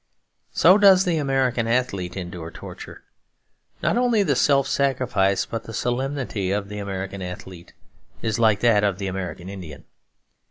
So does the American athlete endure torture. Not only the self sacrifice but the solemnity of the American athlete is like that of the American Indian.